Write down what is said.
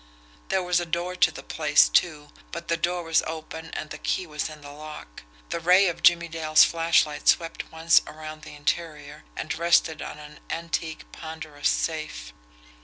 There was a door to the place, too, but the door was open and the key was in the lock. The ray of Jimmie Dale's flashlight swept once around the interior and rested on an antique, ponderous safe.